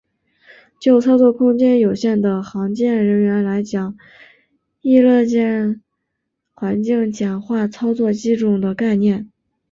就操作空间有限的航舰人员来讲亦乐见环境简化操作机种的概念。